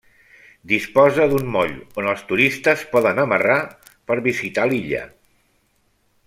Disposa d'un moll, on els turistes poden amarrar per visitar l'illa.